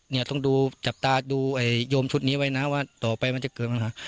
เนี่ยต้องดูจับตาดูโยมชุดนี้ไว้นะว่าต่อไปมันจะเกิดปัญหา